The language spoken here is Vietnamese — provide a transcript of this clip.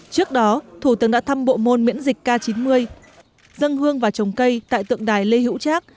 trước đó thủ tướng đã thăm bộ môn miễn dịch k chín mươi dân hương và trồng cây tại tượng đài lê hữu trác